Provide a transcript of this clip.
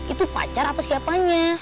itu pacar atau siapanya